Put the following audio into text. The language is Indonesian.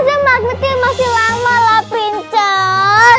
ya ampun magri masih lama lah prinses